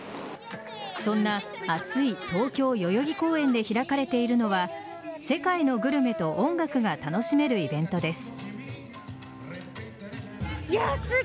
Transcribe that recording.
そんな暑い東京・代々木公園で開かれているのは世界のグルメと音楽が楽しめるイベントです。